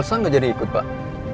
masa gak jadi ikut pak